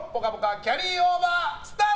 キャリーオーバー、スタート！